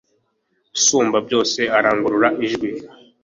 usumba byose arangurura ijwi